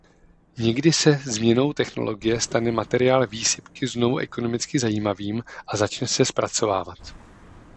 Někdy se změnou technologie stane materiál výsypky znovu ekonomicky zajímavým a začne se zpracovávat.